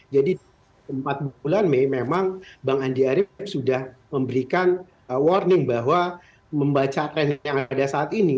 empat bulan mei memang bang andi arief sudah memberikan warning bahwa membaca tren yang ada saat ini